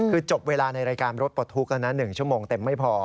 คือจบเวลาในรายการรถปลดทุกข์แล้วนะ๑ชั่วโมงเต็มไม่พอ